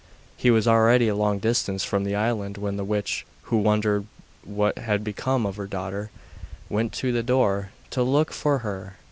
He was already a long distance from the island when the witch, who wondered what had become of her daughter, went to the door to look for her.